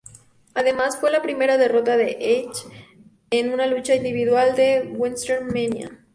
Además, fue la primera derrota de Edge en una lucha individual en WrestleMania.